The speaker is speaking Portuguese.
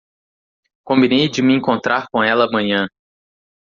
Combinei de me encontrar com ela amanhã